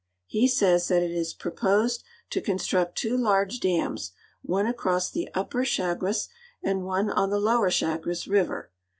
He .says that it is propt)sed to construct two large dams, one across the Upper Chagres and one on the Lower Chagres river.